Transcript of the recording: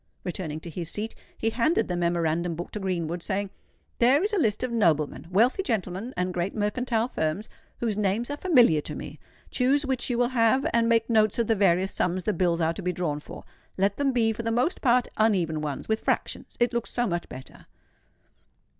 Returning to his seat, he handed the memorandum book to Greenwood, saying, "There is my list of noblemen, wealthy gentlemen, and great mercantile firms, whose names are familiar to me. Choose which you will have; and make notes of the various sums the bills are to be drawn for. Let them be for the most part uneven ones, with fractions: it looks so much better."